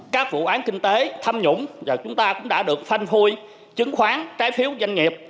các vụ án kinh tế thâm nhũng và chúng ta cũng đã được phanh phui chứng khoán trái phiếu doanh nghiệp